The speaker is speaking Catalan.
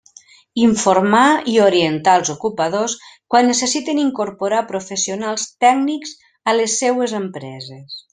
Informar i orientar els ocupadors quan necessiten incorporar professionals tècnics a les seues empreses.